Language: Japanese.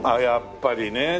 やっぱりね。